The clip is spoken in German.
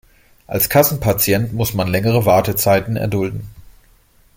Als Kassenpatient muss man längere Wartezeiten erdulden.